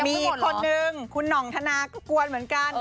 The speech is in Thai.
มีอีกคนนึงคุณหน่องธนาก็กวนเหมือนกัน